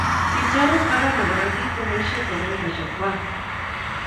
Kitoret corana Kora biik kopoishe talentaishek kwai